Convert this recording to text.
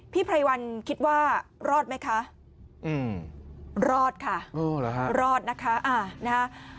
พี่ไพรวัลคิดว่ารอดไหมคะอืมรอดค่ะอื้อเหรอฮะรอดนะคะอ่านะฮะ